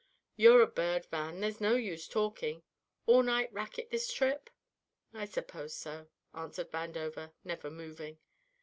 You're a bird, Van, there's no use talking! All night racket this trip?". "I suppose so," answered Vandover, never moving.